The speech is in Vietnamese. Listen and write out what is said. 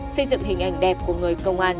xây dựng hình ảnh đẹp của người công an